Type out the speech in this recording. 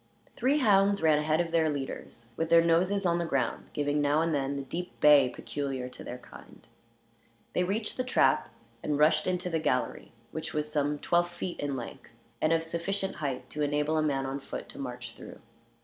Three hounds ran ahead of the leaders, with their noses on the ground, giving now and then the deep bay peculiar to their kind. They reached the trap, and rushed into the gallery, which was some twelve feet in length, and of sufficient height to enable a man on foot to march through.